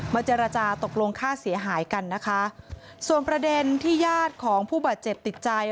เจรจาตกลงค่าเสียหายกันนะคะส่วนประเด็นที่ญาติของผู้บาดเจ็บติดใจ